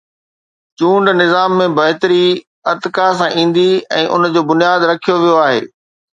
چونڊ نظام ۾ بهتري ارتقا سان ايندي ۽ ان جو بنياد رکيو ويو آهي.